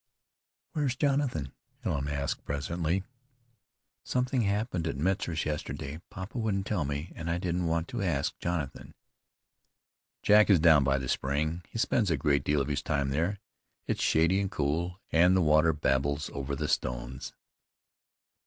"Where is Jonathan?" Helen asked presently. "Something happened at Metzar's yesterday. Papa wouldn't tell me, and I want to ask Jonathan." "Jack is down by the spring. He spends a great deal of his time there. It's shady and cool, and the water babbles over the stones."